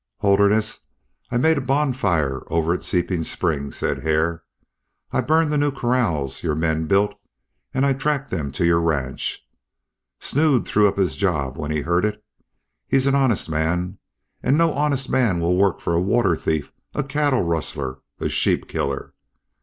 "Holderness, I made a bonfire over at Seeping Springs," said Hare. "I burned the new corrals your men built, and I tracked them to your ranch. Snood threw up his job when he heard it. He's an honest man, and no honest man will work for a water thief, a cattle rustler, a sheep killer.